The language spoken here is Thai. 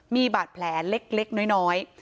มีบาดแผลเล็กน้อย